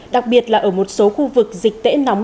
đặc biệt là ở một số khu vực dịch tễ nóng